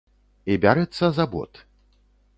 І бярэцца за бот.